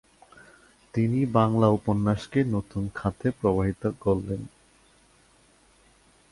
তিনি বাংলা উপন্যাসকে নতুন খাতে প্রবাহিত করলেন।